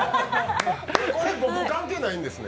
これ僕、関係ないんですね？